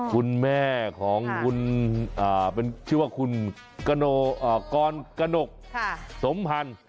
คุณแม่ของคุณเป็นชื่อว่าคุณกรกนกสมพันธ์